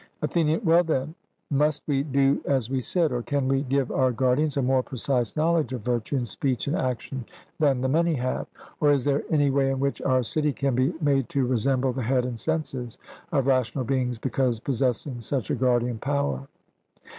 ATHENIAN: Well, then, must we do as we said? Or can we give our guardians a more precise knowledge of virtue in speech and action than the many have? or is there any way in which our city can be made to resemble the head and senses of rational beings because possessing such a guardian power?